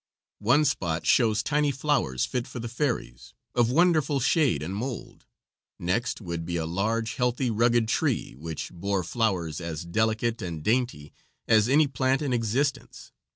One spot shows tiny flowers fit for the fairies, of wonderful shade and mold; next would be a large, healthy, rugged tree, which bore flowers as delicate and dainty as any plant in existence.